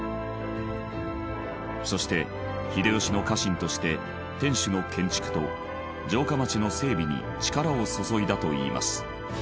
そして秀吉の家臣として天守の建築と城下町の整備に力を注いだといいます。